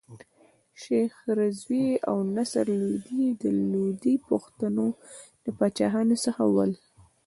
شېخ رضي او نصر لودي د لودي پښتنو د پاچاهانو څخه ول.